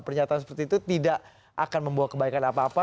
pernyataan seperti itu tidak akan membawa kebaikan apa apa